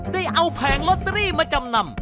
ได้เอาแผงลอตเตอรี่มาจำนำ